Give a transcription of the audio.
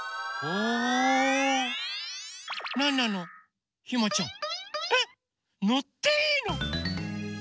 えっのっていいの？